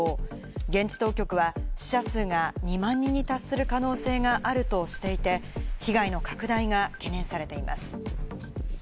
現地当局は死者数が２万人に達する可能性があるとしていて、被害の拡大が懸念されています。